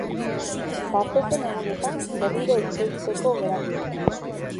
Datozen egunetan berriro hitz egiteko geratu dira.